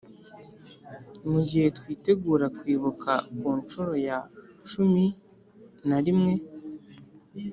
mu gihe twitegura kwibuka ku nshuro ya cumin a rimwe